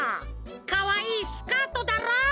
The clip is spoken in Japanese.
かわいいスカートだろ？